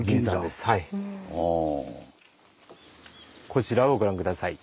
こちらをご覧下さい。